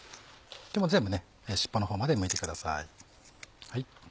もう全部尻尾のほうまでむいてください。